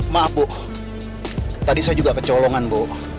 maaf bu tadi saya juga kecolongan bu